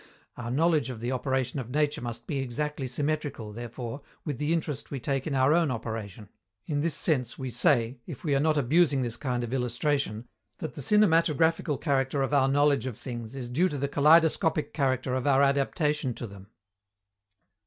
Our knowledge of the operation of nature must be exactly symmetrical, therefore, with the interest we take in our own operation. In this sense we may say, if we are not abusing this kind of illustration, that _the cinematographical character of our knowledge of things is due to the kaleidoscopic character of our adaptation to them_.